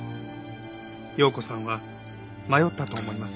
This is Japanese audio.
葉子さんは迷ったと思います。